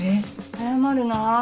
早まるな。